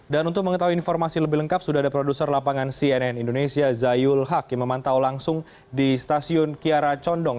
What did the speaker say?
dan untuk mengetahui informasi lebih lengkap sudah ada produser lapangan cnn indonesia zayul hak yang memantau langsung di stasiun kiara condong